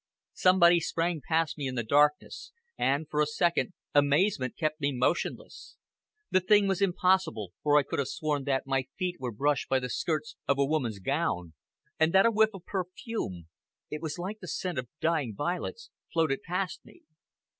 Somebody sprang past me in the darkness, and, for a second, amazement kept me motionless. The thing was impossible, or I could have sworn that my feet were brushed by the skirts of a woman's gown, and that a whiff of perfume it was like the scent of dying violets floated past me.